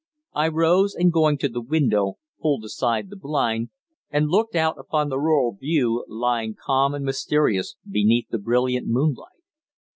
I rose, and going to the window, pulled aside the blind, and looked out upon the rural view lying calm and mysterious beneath the brilliant moonlight.